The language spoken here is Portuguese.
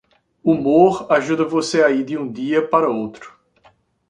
Humor ajuda você a ir de um dia para outro.